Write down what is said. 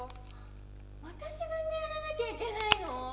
また自分でやらなきゃいけないの？